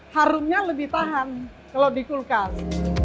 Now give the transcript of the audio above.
harumnya lebih tahan kalau di kulkas